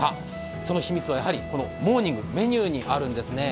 その秘密はやはりモーニング、メニューにあるんですね。